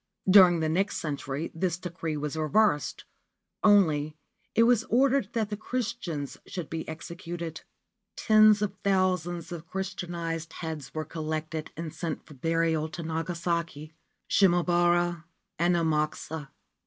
During the next century this decree was reversed ; only, it was ordered that the Christians should be executed. Tens of thousands of Christianised heads were collected and sent for burial to Nagasaki, Shimabara and Amakusa.